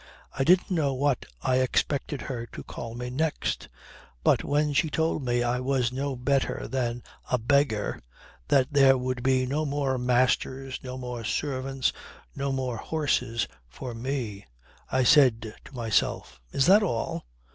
I didn't know what I expected her to call me next, but when she told me I was no better than a beggar that there would be no more masters, no more servants, no more horses for me I said to myself: Is that all?